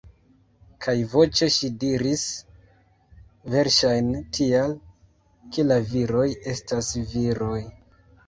Kaj voĉe ŝi diris: -- Verŝajne tial, ke la viroj estas viroj.